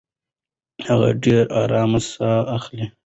هغه ډېره ارامه ساه اخلي.